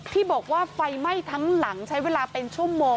ที่บอกว่าไฟไหม้ทั้งหลังใช้เวลาเป็นชั่วโมง